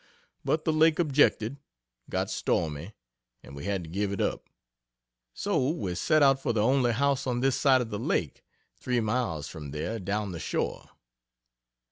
But the Lake objected got stormy, and we had to give it up. So we set out for the only house on this side of the Lake three miles from there, down the shore.